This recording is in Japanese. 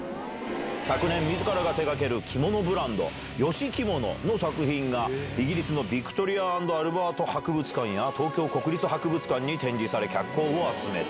昨年みずからが手がける、着物ブランド、ＹＯＳＨＩＫＩＭＯＮＯの作品が、イギリスのヴィクトリア＆アルバート博物館や、東京国立博物館に展示され、脚光を集めた。